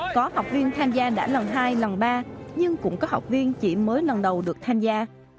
có học viên tham gia đã lần hai lần ba nhưng cũng có học viên chỉ mới lần đầu được tham gia